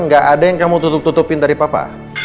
gak ada yang kamu tutup tutupin dari papa